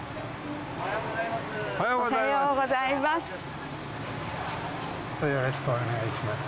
おはようございます。